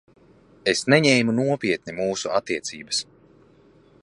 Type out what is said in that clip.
Es neņēmu nopietni mūsu attiecības.